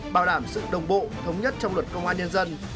bảo đảm sự đồng bộ thống nhất trong luật công an nhân dân